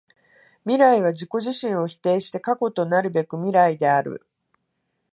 未来は自己自身を否定して過去となるべく未来である。